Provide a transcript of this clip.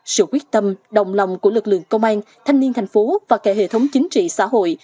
sự quyết tâm đồng lòng của lực lượng công an thanh niên thành phố và cả hệ thống chính trị xã hội